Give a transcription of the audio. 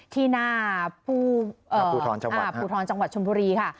ที่หน้าผู้ทรจังหวัดชนบุรีค่ะ